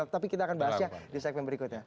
tapi kita akan bahasnya di segmen berikutnya